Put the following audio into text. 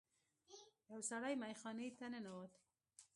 یو سړی میخانې ته ننوت.